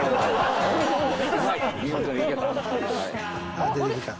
あっ出てきた。